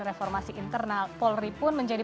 reformasi internal polri pun menjadi